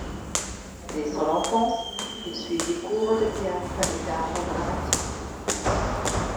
Dès son enfance, il suit des cours de théâtre et d’art dramatique.